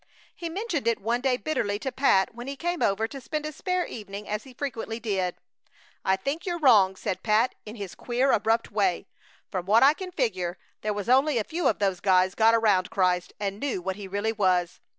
He mentioned it one day bitterly to Pat when he came over to spend a spare evening, as he frequently did. "I think you're wrong," said Pat, in his queer, abrupt way. "From what I can figure there was only a few of those guys got around Christ and knew what he really was!